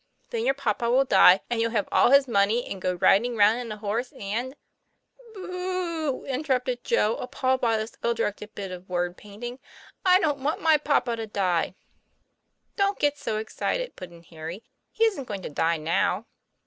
Then your papa will die, and you'll have all his money, and go riding round in a horse and " 'Boo oo!" interrupted Joe, appalled by this ill directed bit of word painting. "I don't want my papa to die." " Don't get so excited," put in Harry. " He isn't going to die now."